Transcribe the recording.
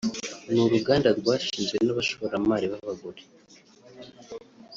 ni uruganda rwashinzwe n’abashoramari b’abagore